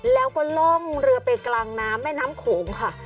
แล้วก็ล่องเรือไปกลางน้ำแม่น้ำโขงค่ะ